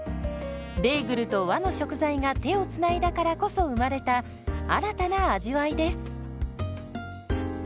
ベーグルと和の食材が手をつないだからこそ生まれた新たな味わいです。